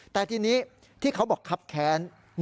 แต่ทีนี้ที่เขาบอกครับแค้น